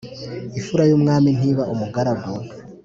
Imfura y ' umwami ntiba umugaragu !".